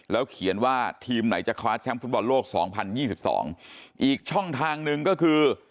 เขียนว่าทีมไหนจะคว้าแชมป์ฟุตบอลโลกสองพันยี่สิบสองอีกช่องทางหนึ่งก็คือ